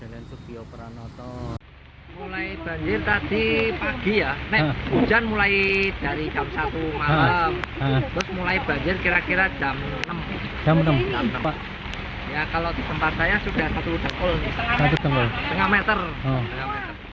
di kawasan ini banjir terjadi di sejumlah ruas jalan protokol yakni jalan pemuda jalan monsinyur sugiyo pratono